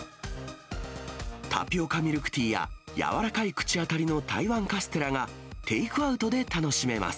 タピオカミルクティーや、柔らかい口当たりの台湾カステラがテイクアウトで楽しめます。